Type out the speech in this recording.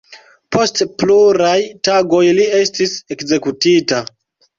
Post pluraj tagoj li estis ekzekutita.